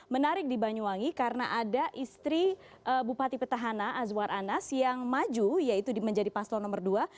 menarik di banyuwangi karena ada istri bupati petahana azwar anas yang maju yaitu menjadi paslon nomor dua